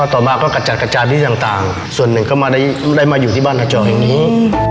ต่อมาก็กระจัดกระจายที่ต่างส่วนหนึ่งก็มาได้มาอยู่ที่บ้านหาจอแห่งนี้